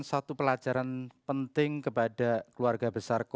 kita belajar banyak dari ibu ridno